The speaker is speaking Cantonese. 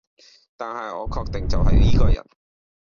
但係我確定就係依個人